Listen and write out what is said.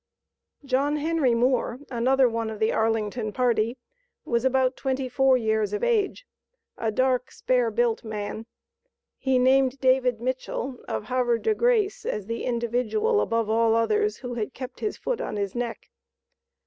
John Henry Moore, another one of the Arlington party, was about twenty four years of age, a dark, spare built man. He named David Mitchell, of Havre de Grace, as the individual above all others who had kept his foot on his neck.